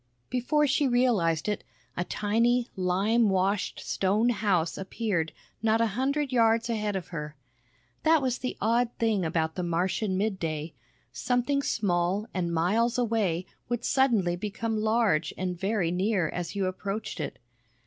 Before she realized it, a tiny, lime washed stone house appeared not a hundred yards ahead of her. That was the odd thing about the Martian midday; something small and miles away would suddenly become large and very near as you approached it.